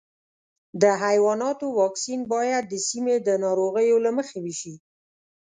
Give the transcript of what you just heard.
د حیواناتو واکسین باید د سیمې د ناروغیو له مخې وشي.